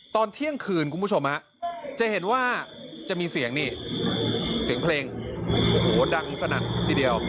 ตอนเที่ยงคืนคุณผู้ชมฮะจะเห็นว่าจะมีเสียงนี่เสียงเพลงโอ้โหดังสนั่นทีเดียว